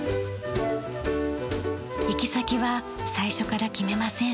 行き先は最初から決めません。